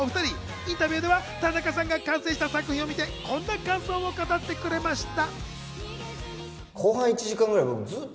インタビューでは田中さんが完成した作品を見て、こんな感想を語ってくれました。